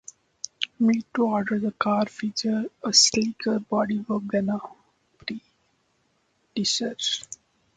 Made to order, the car featured a sleeker bodywork than its predecessors.